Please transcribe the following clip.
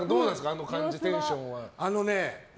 あの感じ、テンションは。